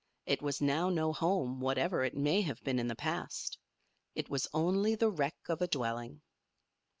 It was now no home, whatever it may have been in the past. It was only the wreck of a dwelling.